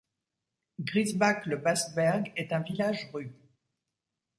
Griesbach-le-Bastberg est un village-rue.